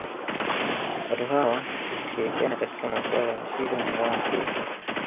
Watu hawa hushirikiana katika maswala ya shida na raha pia